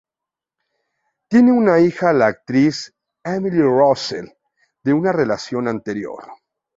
Tiene una hija la actriz Emily Russell de una relación anterior.